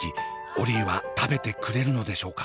オリィは食べてくれるのでしょうか？